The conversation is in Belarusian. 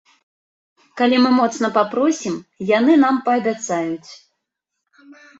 Калі мы моцна папросім, яны нам паабяцаюць.